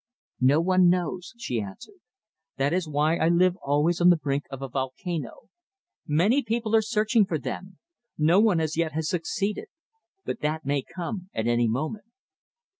"No one knows," she answered. "That is why I live always on the brink of a volcano. Many people are searching for them. No one as yet has succeeded. But that may come at any moment."